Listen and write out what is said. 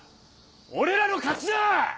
俺らの勝ちだ！